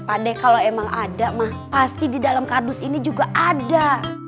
pak dek kalau emang ada mah pasti di dalam kardus ini juga ada